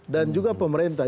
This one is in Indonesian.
dan juga pemerintah